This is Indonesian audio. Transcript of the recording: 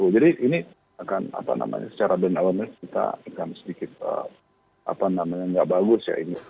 jadi ini akan secara brand awareness kita akan sedikit tidak bagus